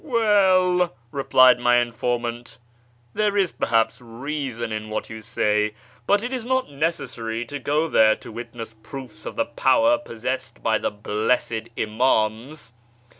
" Well," replied my informant, " there is perhaps reason in what you say. But it is not necessary to go there to witness proofs of the power possessed by the blessed Imams.